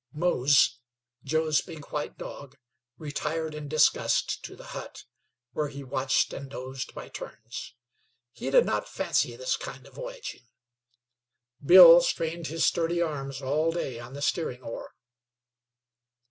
Mose, Joe's big white dog, retired in disgust to the hut, where he watched and dozed by turns. He did not fancy this kind of voyaging. Bill strained his sturdy arms all day on the steering oar.